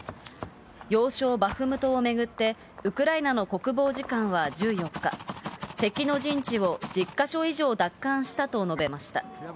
要衝バフムトを巡ってウクライナの国防次官は１４日、敵の陣地を１０か所以上奪還したと述べました。